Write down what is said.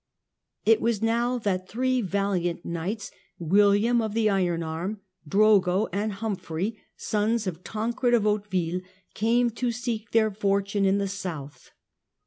It was now that three valiant knights, William of the Iron Arm, Drogo and Humphrey, sons of Tancred of Hauteville, came to seek their fortune in the South.